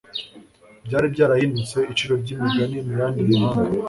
byari byarahindutse iciro ry’imigani mu yandi mahanga